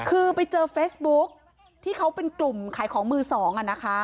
คือไปเจอเฟซบุ๊คที่เขาเป็นกลุ่มขายของมือสองอ่ะนะคะ